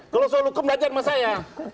kalau soal hukum belajar sama saya